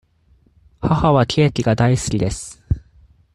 母はケーキが大好きです。